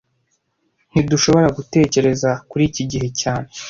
Ntidushobora gutekereza kuri iki gihe cyane